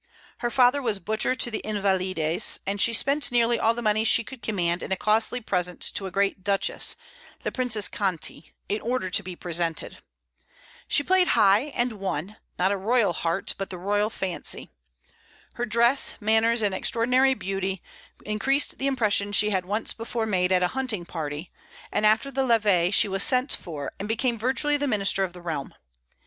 Her father was butcher to the Invalides, and she spent nearly all the money she could command in a costly present to a great duchess, the Princess Conti, in order to be presented. She played high, and won not a royal heart, but the royal fancy. Her dress, manners, and extraordinary beauty increased the impression she had once before made at a hunting party; and after the levée she was sent for, and became virtually the minister of the realm.